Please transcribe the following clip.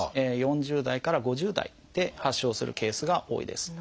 ４０代から５０代で発症するケースが多いです。